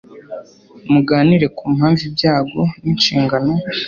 Muganire ku mpamvu ibyago ninshingano